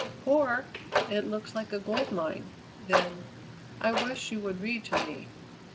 "Poor? It looks like a gold mine." Then: "I wish you would read to me.